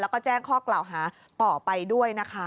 แล้วก็แจ้งข้อกล่าวหาต่อไปด้วยนะคะ